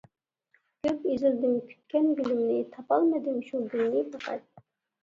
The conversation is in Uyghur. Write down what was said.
كۆپ ئىزلىدىم كۈتكەن گۈلۈمنى، تاپالمىدىم شۇ گۈلنى پەقەت.